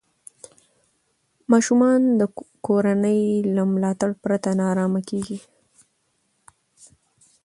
ماشوم د کورنۍ له ملاتړ پرته نارامه کېږي.